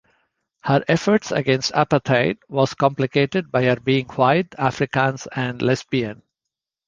Her efforts against apartheid were complicated by her being white, Afrikaans, and lesbian.